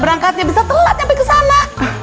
berangkatnya bisa telat sampai ke sana